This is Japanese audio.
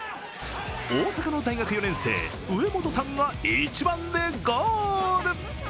大阪の大学４年生、植本さんが一番でゴール。